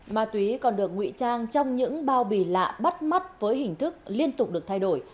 ma túy còn được nguy trang trong những bao bì lạ bắt mắt với hình thức liên tục được thay đổi